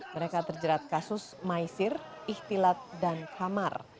mereka terjerat kasus maisir ihtilat dan kamar